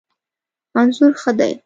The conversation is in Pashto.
انځور ښه دی